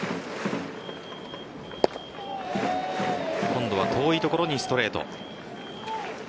今度は遠いところにストレート。